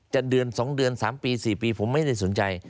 เดือน๒เดือน๓ปี๔ปีผมไม่ได้สนใจ